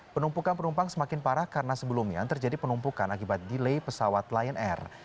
penumpukan penumpang semakin parah karena sebelumnya terjadi penumpukan akibat delay pesawat lion air